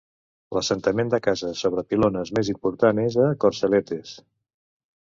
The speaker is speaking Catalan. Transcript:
L'assentament de cases sobre pilones més important és a Corcelettes.